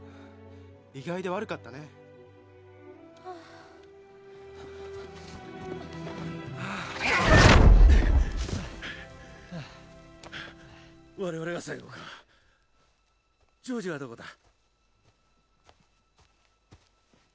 意外で悪かったねああ我々が最後かジョージはどこだ？